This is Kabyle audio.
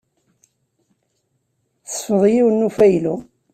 Tesfeḍ yiwen n ufaylu.